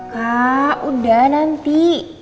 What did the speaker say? kak udah nanti